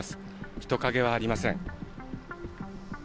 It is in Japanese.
人影はありません。